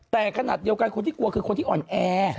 แต่ขนาดเดียวกันคนที่กลัวคือคนที่อ่อนแอ